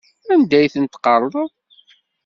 Anda ay ten-tqerḍeḍ?